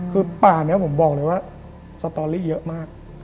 คือป่านี้ผมบอกเลยว่าสตอรี่เยอะมาก